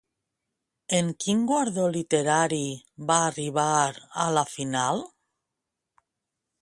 En quin guardó literari va arribar a la final?